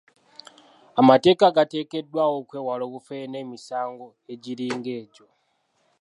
Amateeka gateekeddwawo okwewala obufere n'emisango egiringa egyo.